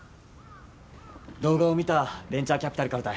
動画を見たベンチャーキャピタルからたい。